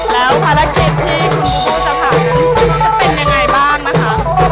แล้วภารกิจที่คุณคิดจะผ่านนั้นจะเป็นยังไงบ้างนะคะ